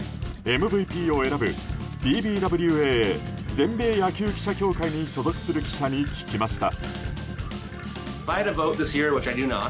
ＭＶＰを選ぶＢＢＷＡＡ・全米野球記者協会に所属する記者に聞きました。